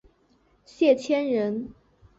谢迁人。